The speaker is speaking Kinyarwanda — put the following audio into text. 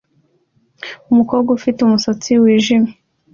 Umukobwa ufite umusatsi wijimye